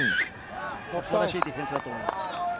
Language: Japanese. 素晴らしいディフェンスだと思います。